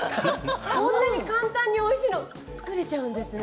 こんなに簡単においしいのを作れちゃうんですね。